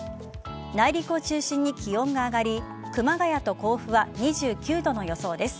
内陸を中心に気温が上がり熊谷と甲府は２９度の予想です。